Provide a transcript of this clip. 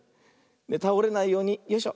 たおれないようによいしょ。